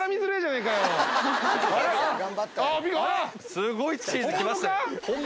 すごいチーズ来ましたよ。